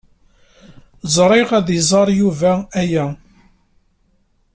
Sriɣ ad iẓer Yuba aya.